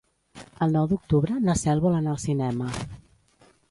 El nou d'octubre na Cel vol anar al cinema.